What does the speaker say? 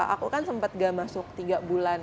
aku kan sempat gak masuk tiga bulan